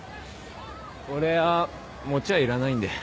俺は餅はいらないんで。